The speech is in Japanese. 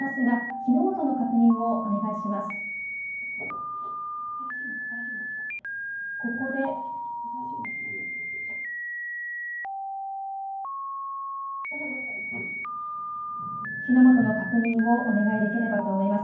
火の元の確認をお願いできればと思います。